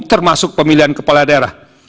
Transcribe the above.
termasuk pemilihan kepala daerah